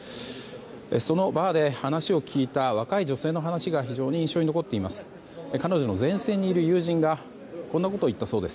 そのバーで話を聞いた若い女性の話が非常に印象に残っています。